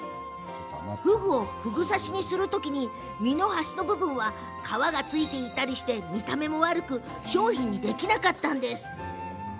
ふぐ刺しにする時に身の端の部分は皮がついているなど見た目が悪く商品にできなかったんです。